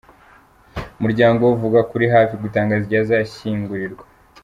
Umuryango we uvuga ko uri hafi gutangaza igihe azashyingurirwa.